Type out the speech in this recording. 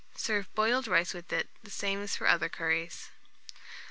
Serve boiled rice with it, the same as for other curries.